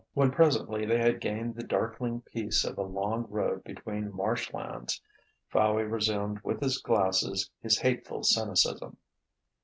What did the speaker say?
When presently they had gained the darkling peace of a long road between marsh lands, Fowey resumed with his glasses his hateful cynicism.